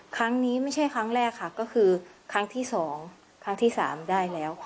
ครั้งนี้ไม่ใช่ครั้งแรกค่ะก็คือครั้งที่๒ครั้งที่๓ได้แล้ว